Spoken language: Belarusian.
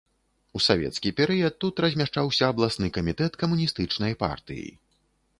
У савецкі перыяд тут размяшчаўся абласны камітэт камуністычнай партыі.